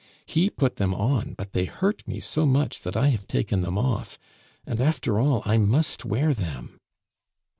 He put them on, but they hurt me so much that I have taken them off, and after all I must wear them."